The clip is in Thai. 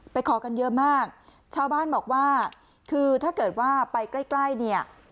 ขอกันเยอะมากชาวบ้านบอกว่าคือถ้าเกิดว่าไปใกล้ใกล้เนี่ย